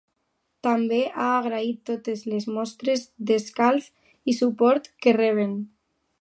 També ha agraït ‘totes les mostres d’escalf i suport’ que reben.